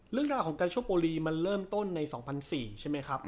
เรื่องราวของกาโชโปรีมันเริ่มต้นใน๒๐๐๔ใช่ไหมครับ